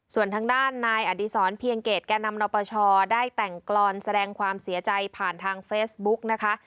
ส่วนทางด้านนายอดีศรเพียงเกตแก่นำนปชได้แต่งกรอนแสดงความเสียใจผ่านทางเฟซบุ๊กนะคะ